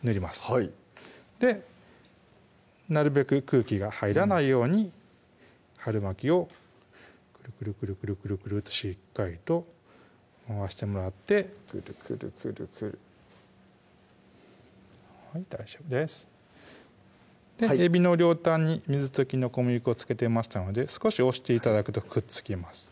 はいなるべく空気が入らないように春巻きをクルクルクルクルとしっかりと回してもらってクルクルクルクルはい大丈夫ですえびの両端に水溶きの小麦粉付けてましたので少し押して頂くとくっつきます